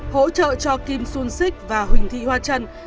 hỗ trợ cho kim xuân xích và huỳnh thị hoa trân